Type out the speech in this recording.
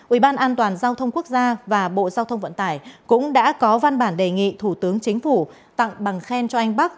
ubnd và bộ giao thông vận tải cũng đã có văn bản đề nghị thủ tướng chính phủ tặng bằng khen cho anh bắc